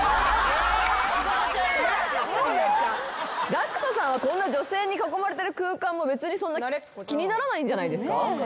ＧＡＣＫＴさんはこんな女性に囲まれてる空間も別にそんな気にならないんじゃないですか？